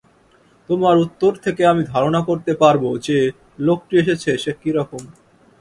তোমার উত্তর থেকে আমি ধারণা করতে পারব, যে- লোকটি এসেছে সে কী রকম।